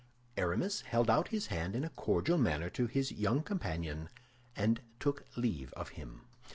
Aramis held out his hand in a cordial manner to his young companion, and took leave of him.